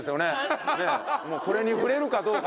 これに触れるかどうか。